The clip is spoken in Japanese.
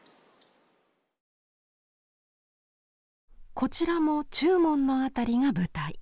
こちらも中門の辺りが舞台。